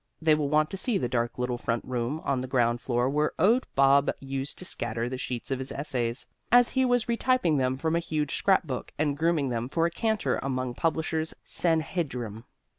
They will want to see the dark little front room on the ground floor where Owd Bob used to scatter the sheets of his essays as he was retyping them from a huge scrapbook and grooming them for a canter among publishers' sanhedrim.